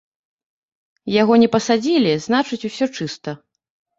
Яго не пасадзілі, значыць, усё чыста.